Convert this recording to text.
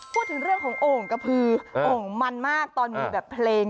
พูดถึงเรื่องของโอ่งกระพือโอ่งมันมากตอนมีแบบเพลง